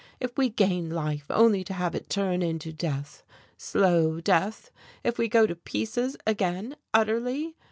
If we gain life only to have it turn into death slow death; if we go to pieces again, utterly.